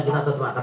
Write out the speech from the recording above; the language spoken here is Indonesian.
kita tetap akan